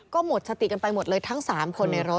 ก็หมดสติกันไปหมดเลยทั้ง๓คนในรถ